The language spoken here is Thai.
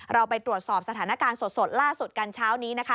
เราไปตรวจสอบสถานการณ์สดล่าสุดกันเช้านี้นะคะ